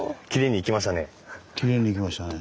きれいにいきましたね。